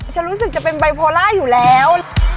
ฉันรู้สึกจะเป็นไบโพล่าอยู่แล้ว